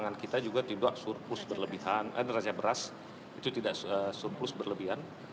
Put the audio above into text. neraca beras itu tidak surplus berlebihan